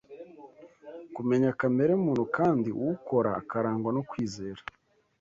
kumenya kamere muntu, kandi uwukora akarangwa no kwizera